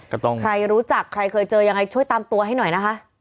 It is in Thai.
ใครรู้จักใครเคยเจอยังไงช่วยตามตัวให้หน่อยนะคะ